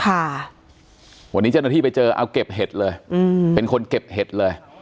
ค่ะวันนี้เจ้าหน้าที่ไปเจอเอาเก็บเห็ดเลยอืมเป็นคนเก็บเห็ดเลย